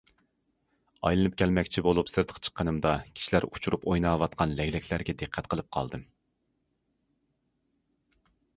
ئايلىنىپ كەلمەكچى بولۇپ سىرتقا چىققىنىمدا، كىشىلەر ئۇچۇرۇپ ئويناۋاتقان لەگلەكلەرگە دىققەت قىلىپ قالدىم.